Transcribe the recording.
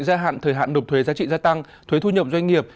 giá trị gia hạn thời hạn đột thuế giá trị gia tăng thuế thu nhập doanh nghiệp